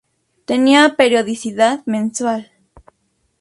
Tenía periodicidad mensual.